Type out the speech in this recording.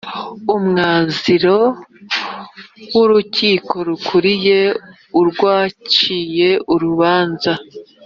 Umwanziro w Urukiko rukuriye urwaciye urubanza